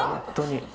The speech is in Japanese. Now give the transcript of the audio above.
本当に。